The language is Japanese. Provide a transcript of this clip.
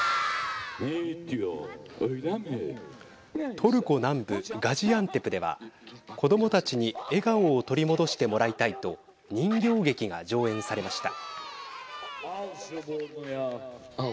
トルコ南部ガジアンテプでは子どもたちに笑顔を取り戻してもらいたいと人形劇が上演されました。